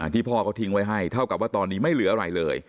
พ่อเขาทิ้งไว้ให้เท่ากับว่าตอนนี้ไม่เหลืออะไรเลย